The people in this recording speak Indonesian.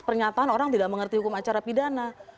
pernyataan orang tidak mengerti hukum acara pidana